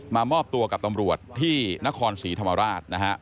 มอบตัวกับตำรวจที่นครศรีธรรมราชนะฮะ